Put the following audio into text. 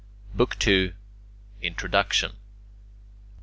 BOOK II INTRODUCTION 1.